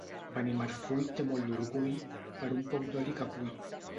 Benimarfull té molt d'orgull, per un poc d'oli que cull.